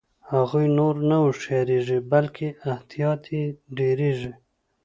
هغوی نور نه هوښیاریږي بلکې احتیاط یې ډیریږي.